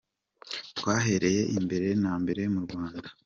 Twahereye mbere na mbere mu Rwanda.